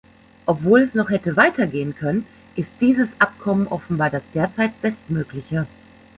Obwohl es noch hätte weiter gehen können, ist dieses Abkommen offenbar das derzeit bestmögliche.